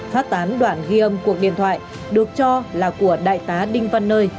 phát tán đoạn ghi âm cuộc điện thoại được cho là của đại tá đinh văn nơi